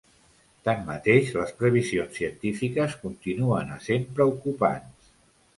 Tanmateix, les previsions científiques continuen essent preocupants.